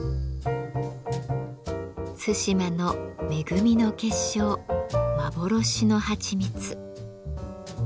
対馬の恵みの結晶幻のはちみつ。